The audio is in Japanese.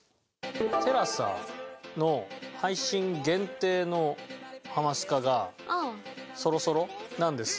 ＴＥＬＡＳＡの配信限定の『ハマスカ』がそろそろなんです。